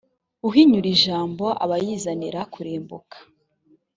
uhinyura ijambo aba yizanira kurimbuka